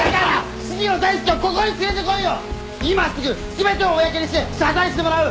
全てを公にして謝罪してもらう。